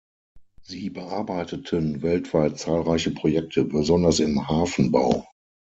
Sie bearbeiteten weltweit zahlreiche Projekte besonders im Hafenbau.